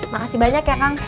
makasih banyak ya kang